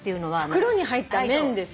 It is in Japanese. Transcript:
袋に入った麺でさ。